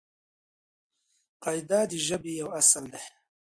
قاعده د ژبې یو اصل دئ.